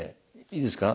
いいですか？